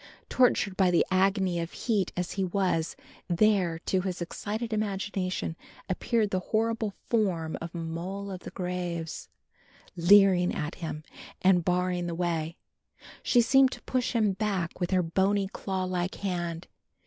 Tortured by the agony of heat as he was, there, to his excited imagination, appeared the horrible form of "Moll o' the graves," leering at him and barring the way. She seemed to push him back with her bony claw like hand.